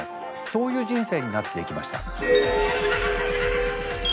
そういう人生になっていきました。